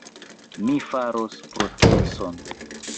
Mi faros proceson!